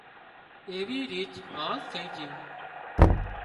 ايوي ريچ هانز ٿائي سي